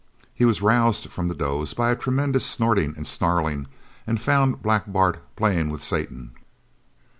He was roused from the doze by a tremendous snorting and snarling and found Black Bart playing with Satan.